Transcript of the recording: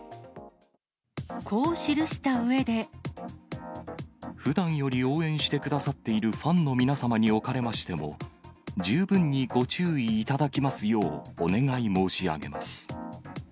こう記したうえで。ふだんより応援してくださっているファンの皆様におかれましても、十分にご注意いただきますようお願い申し上げます。